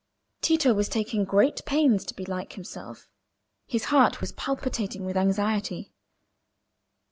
Tito was taking great pains to be like himself; his heart was palpitating with anxiety.